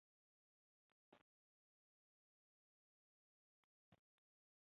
朗里万人口变化图示